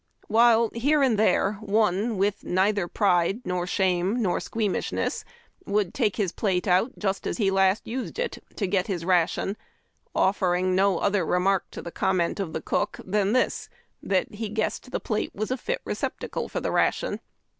While here and there one, with neither pride, nor shame, nor squeamishness would take his plate out just as he last used it, to get his ration, offering no other remark to the com ment of the cook than this, that he guessed the plate was a fit receptacle for the ration.